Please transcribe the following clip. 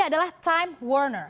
itu adalah time warner